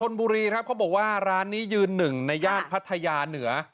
นบุรีครับเขาบอกว่าร้านนี้ยืนหนึ่งในย่านพัทยาเหนือ